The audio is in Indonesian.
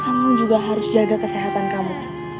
kamu juga harus jaga kesehatan kamu